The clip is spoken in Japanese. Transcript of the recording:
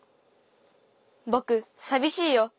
ぼくさびしいよ！